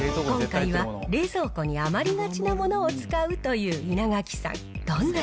今回は、冷蔵庫に余りがちなものを使うという稲垣さん。